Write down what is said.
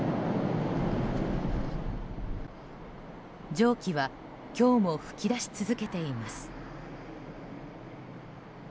蒸気は今日も噴き出し続けています。